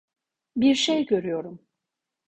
Bir şey görüyorum.